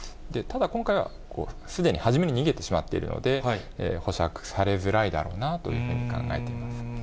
ただ、今回はすでに初めに逃げてしまっているので、保釈されづらいだろうなというふうに考えています。